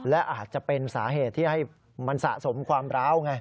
และอาจจะเป็นสาเหตุที่ให้มันสะสมความร้าวไง